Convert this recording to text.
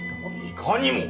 いかにも。